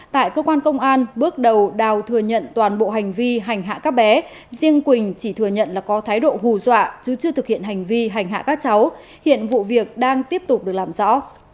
tại cơ quan công an bước đầu đào thừa nhận toàn bộ hành vi hành hạ các bé riêng quỳnh chỉ thừa nhận là có thái độ hù dọa chứ chưa thực hiện hành vi hành hạ các cháu hiện vụ việc đang tiếp tục được làm rõ